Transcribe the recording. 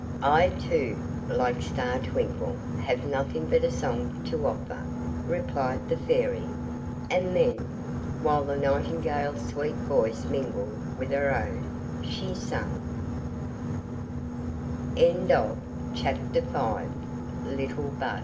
"I too, like Star Twinkle, have nothing but a song to offer," replied the Fairy; and then, while the nightingale's sweet voice mingled with her own, she sang,— CLOVER BLOSSOM. In a quiet, pleasant mead